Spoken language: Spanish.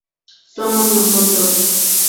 Somos nosotros.